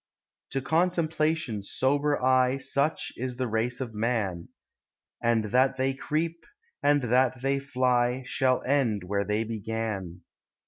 To Contemplation's sober eye Such is the race of man; And they that creep, and they that fly, Shall end where they began.